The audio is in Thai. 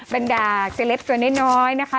บรรดาเซเลปตัวน้อยนะคะ